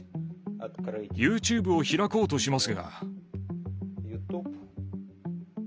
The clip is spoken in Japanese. ユーチューブを開こうとしますが。